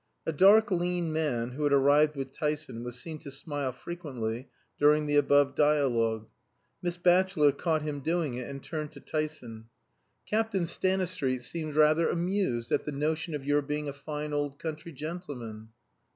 A dark lean man who had arrived with Tyson was seen to smile frequently during the above dialogue. Miss Batchelor caught him doing it and turned to Tyson. "Captain Stanistreet seemed rather amused at the notion of your being a fine old country gentleman."